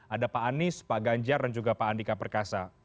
ada pak anies pak ganjar dan juga pak andika perkasa